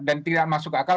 dan tidak masuk akal